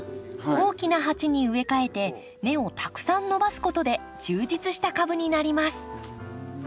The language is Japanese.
大きな鉢に植え替えて根をたくさん伸ばすことで充実した株になります